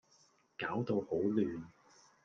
攪到好亂